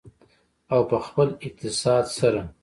او په خپل اقتصاد سره.